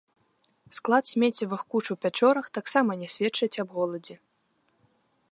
Склад смеццевых куч у пячорах таксама не сведчыць аб голадзе.